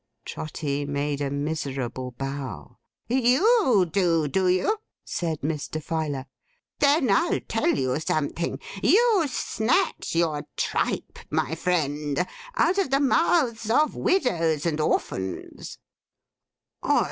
Trotty made a miserable bow. 'You do, do you?' said Mr. Filer. 'Then I'll tell you something. You snatch your tripe, my friend, out of the mouths of widows and orphans.